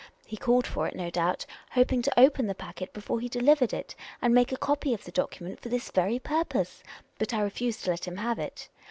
He called for it, no doubt, hoping to open the packet before he delivered it and make a copy of the document for this very purpose. But I refused to let him have it.